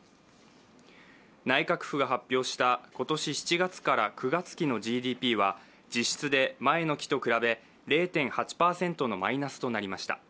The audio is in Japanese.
内閣府が発表した今年７月から９月期のＧＤＰは実質で前の期と比べ０．８％のマイナスとなりました。